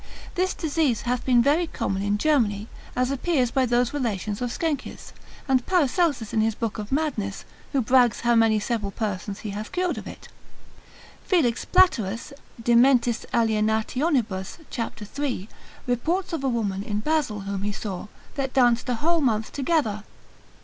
This disease hath been very common in Germany, as appears by those relations of Sckenkius, and Paracelsus in his book of Madness, who brags how many several persons he hath cured of it. Felix Plateras de mentis alienat. cap. 3, reports of a woman in Basil whom he saw, that danced a whole month together.